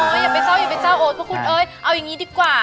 โอ้โฮอย่าไปเจ้าโอ๊ตเพราะคุณเอ้ยเอาอย่างนี้ดีกว่า